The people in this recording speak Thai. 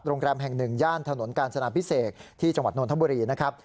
โรงแรมแห่งหนึ่งย่านถนนกาญจนาพิเศษที่จังหวัดนทบุรีนะครับ